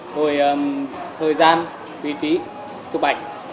rồi thời gian vị trí tục ảnh